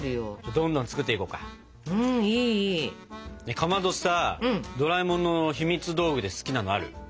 かまどさドラえもんのひみつ道具で好きなのある？